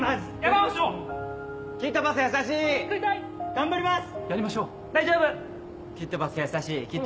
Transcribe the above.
頑張ります！